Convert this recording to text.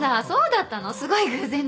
すごい偶然だね